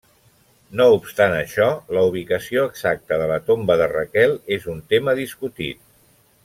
No obstant això, la ubicació exacta de la tomba de Raquel és un tema discutit.